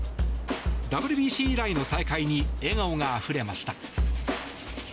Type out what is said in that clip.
ＷＢＣ以来の再会に笑顔があふれました。